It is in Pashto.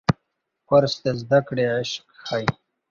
کورس د زده کړې عشق ښيي.